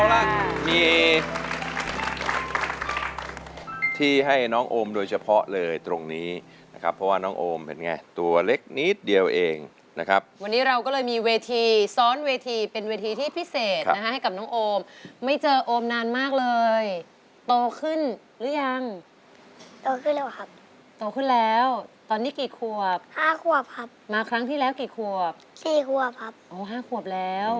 สวัสดีค่ะสวัสดีค่ะสวัสดีค่ะสวัสดีค่ะสวัสดีค่ะสวัสดีค่ะสวัสดีค่ะสวัสดีค่ะสวัสดีค่ะสวัสดีค่ะสวัสดีค่ะสวัสดีค่ะสวัสดีค่ะสวัสดีค่ะสวัสดีค่ะสวัสดีค่ะสวัสดีค่ะสวัสดีค่ะสวัสดีค่ะสวัสดีค่ะสวัสดีค่ะสวัสดีค่ะ